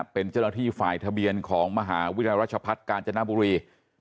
เป็นเจ้าหน้าที่ฝ่ายทะเบียนของมหาวิทยาลัยรัชพัฒน์กาญจนบุรี